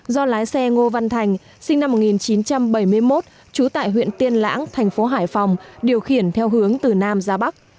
do lái xe ngô văn thành sinh năm một nghìn chín trăm bảy mươi một trú tại huyện tiên lãng thành phố hải phòng điều khiển theo hướng từ nam ra bắc